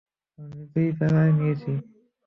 আমি নিজেই প্যারা নিয়েছি।